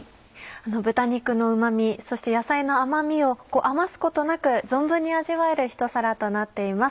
豚肉のうま味そして野菜の甘みを余すことなく存分に味わえるひと皿となっています。